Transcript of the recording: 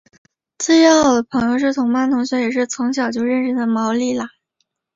最要好的朋友是同班同学也是从小就认识的毛利兰。